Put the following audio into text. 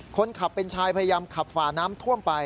คนขับเป็นชายพยายามขับฝ่าน้ำท่วมไป